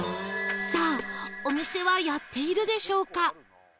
さあお店はやっているでしょうか？